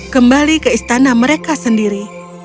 kembali ke istana mereka sendiri